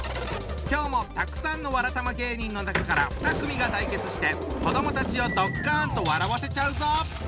今日もたくさんのわらたま芸人の中から２組が対決して子どもたちをドッカンと笑わせちゃうぞ！